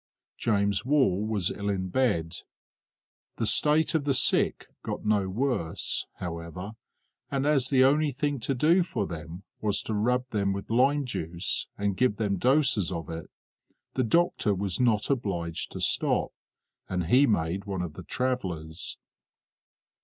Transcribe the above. James Wall was ill in bed. The state of the sick got no worse, however, and as the only thing to do for them was to rub them with lime juice, and give them doses of it, the doctor was not obliged to stop, and he made one of the travellers.